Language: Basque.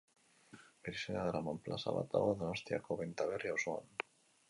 Bere izena daraman plaza bat dago Donostiako Benta Berri auzoan.